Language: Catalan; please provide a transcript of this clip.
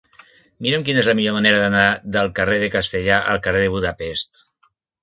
Mira'm quina és la millor manera d'anar del carrer de Castellar al carrer de Budapest.